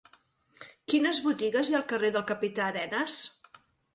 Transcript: Quines botigues hi ha al carrer del Capità Arenas?